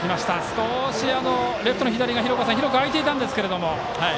少しレフトの左が広く開いていたんですが。